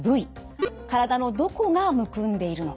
体のどこがむくんでいるのか。